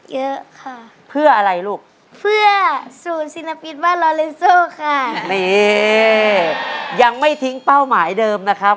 เยอะค่ะเพื่ออะไรลูกเพื่อศูนย์ศิลปินบ้านลอเลนโซค่ะนี่ยังไม่ทิ้งเป้าหมายเดิมนะครับ